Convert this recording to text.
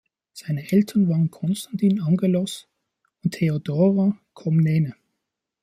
Seine Eltern waren Konstantin Angelos und Theodora Komnene.